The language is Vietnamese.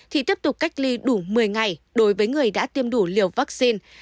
thì tiếp tục cách ly đủ một mươi ngày đối với người đã tiêm đủ liều vaccine